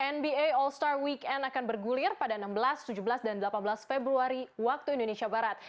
nba all star weekend akan bergulir pada enam belas tujuh belas dan delapan belas februari waktu indonesia barat